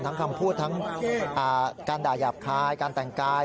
คำพูดทั้งการด่าหยาบคายการแต่งกาย